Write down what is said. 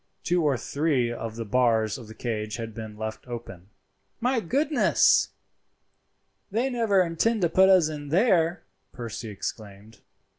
Two or three of the bars of the cage had been left open. "My goodness! they never intend to put us in there," Percy exclaimed.